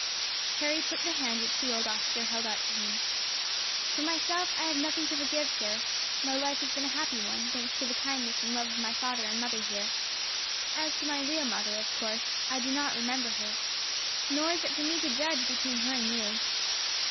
Harry took the hand which the old officer held out to him. "For myself, I have nothing to forgive, sir. My life has been a happy one, thanks to the kindness and love of my father and mother here; as to my real mother, of course, I do not remember her, nor is it for me to judge between her and you.